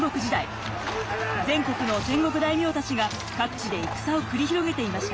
全国の戦国大名たちが各地で戦を繰り広げていました。